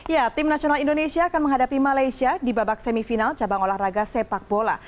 ya tim nasional indonesia akan menghadapi malaysia di babak semifinal cabang olahraga sepak bola